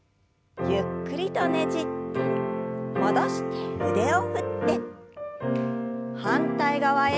ゆっくりとねじって戻して腕を振って反対側へ。